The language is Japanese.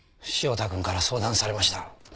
汐田君から相談されました。